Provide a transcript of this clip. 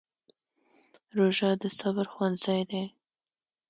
روژه د صبر ښوونځی دی.